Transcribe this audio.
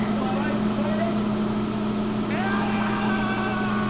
自前で！？